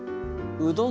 うどん？